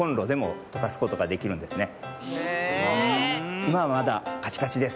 いまはまだカチカチです。